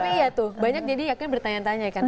tapi iya tuh banyak jadi bertanya tanya kan